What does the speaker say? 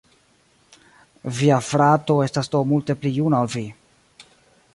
Via frato estas do multe pli juna ol vi.